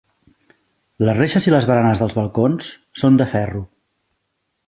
Les reixes i les baranes dels balcons són de ferro.